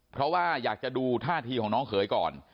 เพราะว่าอยากจะดูท่าทีของน้องเขยก่อน